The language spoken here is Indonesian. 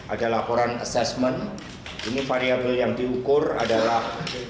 ada laporan assessment ini variable yang diukur adalah